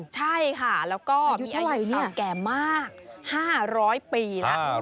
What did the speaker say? ใช่ค่ะแล้วก็มีอายุต่อแก่มาก๕๐๐ปีละ